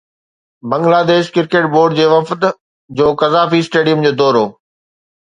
Bangladesh cricket board جي وفد جو قذافي اسٽيڊيم جو دورو